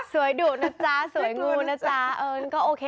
ดุนะจ๊ะสวยงูนะจ๊ะเอิญก็โอเค